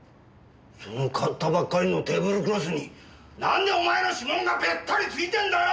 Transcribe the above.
その買ったばっかりのテーブルクロスになんでお前の指紋がべったりついてんだよ！